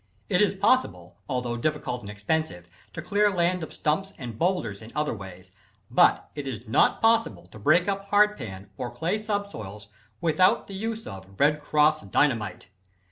It is possible, although difficult and expensive, to clear land of stumps and boulders in other ways, but it is not possible to break up hard pan, or clay subsoils, without the use of "Red Cross" Dynamite.